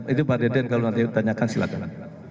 itu pak deden kalau nanti ditanyakan silakan